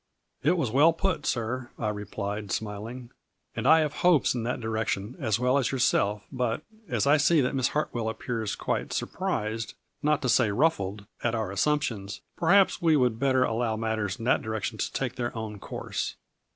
" It was well put, sir," I replied, smiling, " and I have hopes in that direction as well as your 190 A FLU BUY IN DIAMONDS. self but, as I see that Miss Hartwell appears quite surprised, not to say ruffled, at our as sumptions perhaps we would better allow mat ters in that direction to take their own course."